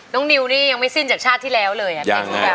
น้องนิ้วนี่ยังไม่สิ้นจากชาติที่แล้วเลย